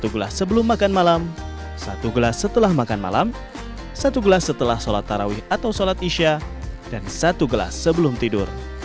satu gelas sebelum makan malam satu gelas setelah makan malam satu gelas setelah sholat tarawih atau sholat isya dan satu gelas sebelum tidur